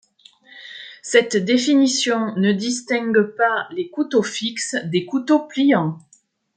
Cette définition ne distingue pas les couteaux fixes des couteaux pliants.